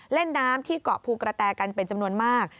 เล่นน้ำที่เกาะภูกระแตกันเป็นจำนวนมาก